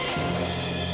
saya lega pendekat